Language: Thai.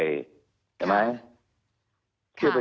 ใช่ไหม